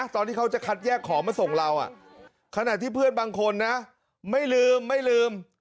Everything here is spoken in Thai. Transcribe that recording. ตอนที่เขาจะคัดแยกของมาส่งเราขณะที่เพื่อนบางคนนะไม่ลืมไม่ลืม